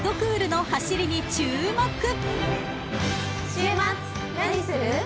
週末何する？